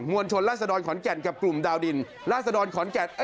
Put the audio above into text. วลชนราศดรขอนแก่นกับกลุ่มดาวดินราศดรขอนแก่น